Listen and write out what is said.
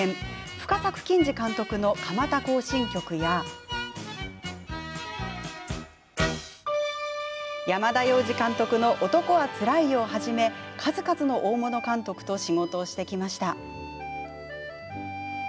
深作欣二監督の「蒲田行進曲」や山田洋次監督の「男はつらいよ」をはじめ数々の大物監督と仕事をしてきました。